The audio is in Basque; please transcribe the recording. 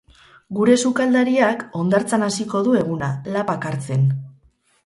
Gure sukaldariak hondartzan hasiko du eguna, lapak hartzen.